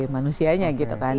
manusianya gitu kan